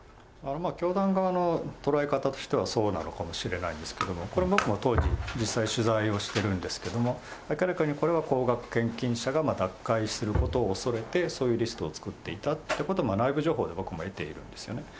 教団側の捉え方としては、そうなのかもしれないんですけれども、これ僕も当時、実際取材をしてるんですけど、明らかにこれは高額献金者が脱会することを恐れて、そういうリストを作っていたということを、内部情報で僕も得てるんですよね。